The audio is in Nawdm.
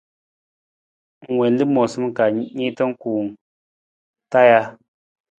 Ng wiin lamoosa ka tasaram niita kuwung taa ja?